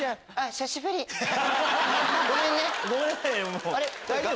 ごめんね。